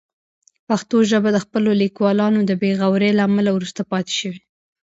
پښتو ژبه د خپلو لیکوالانو د بې غورۍ له امله وروسته پاتې شوې.